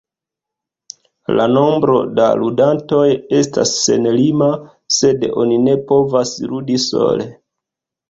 La nombro da ludantoj estas senlima, sed oni ne povas ludi sole.